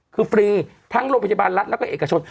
คือฟรีทั้งโรงพยาบาลรัฐแล้วก็เอกชน